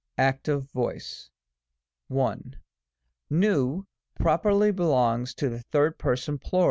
active voice. 1. N properly belongs to the 3d Person Plur.